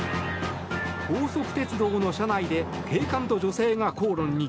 高速鉄道の車内で警官と女性が口論に。